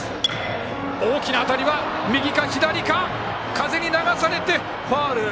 風に流されて、ファウル。